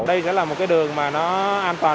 đây sẽ là một cái đường mà nó an toàn